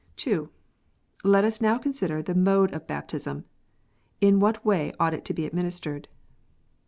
Let us now consider the mode of Baptism. In ichat way ought it to be administered